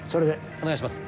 お願いします。